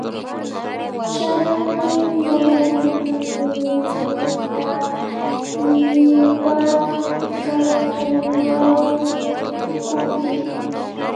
Chani manañipak katunawkupi